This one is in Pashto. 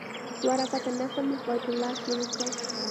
دوه رکعاته نفل مې په بیت الله کې وکړ.